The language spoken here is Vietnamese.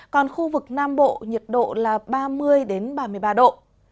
còn khu vực nam bộ nhiệt độ là ba mươi ba mươi ba độ